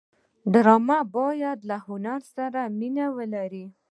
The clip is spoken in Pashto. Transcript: ډرامه باید له هنر سره مینه ولري